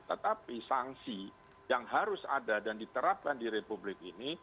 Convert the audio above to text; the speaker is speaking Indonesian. tetapi sanksi yang harus ada dan diterapkan di republik ini